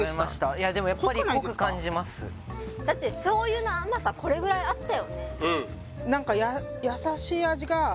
いやでもやっぱりだって醤油の甘さこれぐらいあったよね？